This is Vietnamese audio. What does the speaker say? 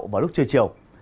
vào lúc trưa chiều